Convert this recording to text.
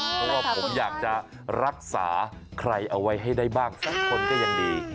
เพราะว่าผมอยากจะรักษาใครเอาไว้ให้ได้บ้างสักคนก็ยังดี